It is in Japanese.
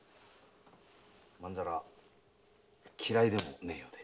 まんざら嫌いでもないようで。